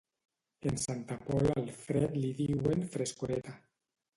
En Santa Pola al fred li diuen frescoreta.